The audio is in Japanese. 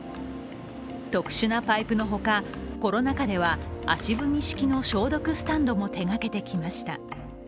特殊なパイプのほか、コロナ禍では足踏み式の消毒スタンドも手がけてきました。